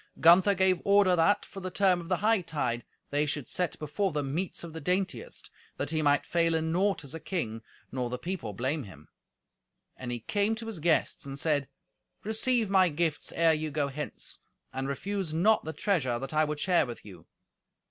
Gunther gave order that, for the term of the hightide, they should set before them meats of the daintiest, that he might fail in naught as a king, nor the people blame him. And he came to his guests, and said, "Receive my gifts ere you go hence, and refuse not the treasure that I would share with you."